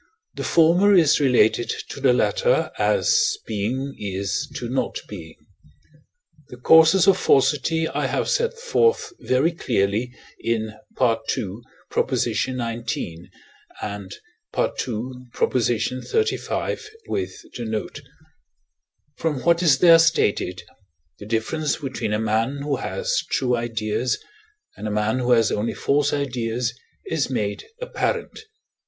the former is related to the latter as being is to not being. The causes of falsity I have set forth very clearly in II. xix. and II. xxxv. with the note. From what is there stated, the difference between a man who has true ideas, and a man who has only false ideas, is made apparent.